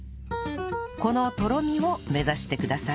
このとろみを目指してください